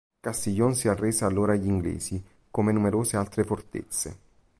Castillon si arrese allora agli inglesi, come numerose altre fortezze.